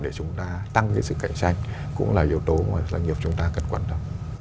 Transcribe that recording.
những cái sức cạnh tranh cũng là yếu tố mà doanh nghiệp chúng ta cần quan tâm